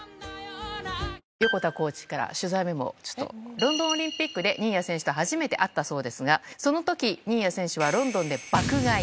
ロンドンオリンピックで新谷選手と初めて会ったそうですが、そのとき、新谷選手はロンドンで爆買い。